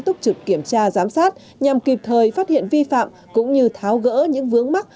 túc trực kiểm tra giám sát nhằm kịp thời phát hiện vi phạm cũng như tháo gỡ những vướng mắt